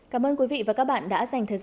cảm ơn quý vị và các bạn đã theo dõi